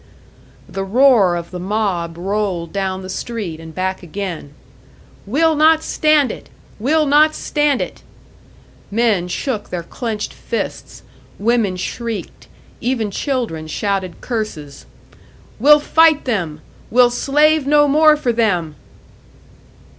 The roar of the mob rolled down the street and back again. "We'll not stand it! We'll not stand it!" Men shook their clenched fists, women shrieked, even children shouted curses. "We'll fight them! We'll slave no more for them!"